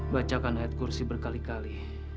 bacakan ayat kursi berkali kali